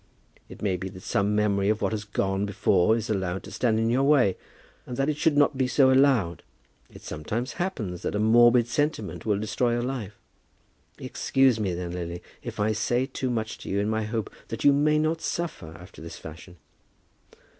It may be that some memory of what has gone before is allowed to stand in your way, and that it should not be so allowed. It sometimes happens that a morbid sentiment will destroy a life. Excuse me, then, Lily, if I say too much to you in my hope that you may not suffer after this fashion."